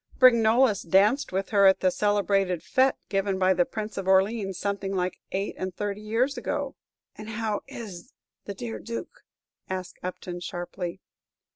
"Brignolles danced with her at that celebrated fête given by the Prince of Orleans something like eight and thirty years ago." "And how is the dear Duke?" asked Upton, sharply.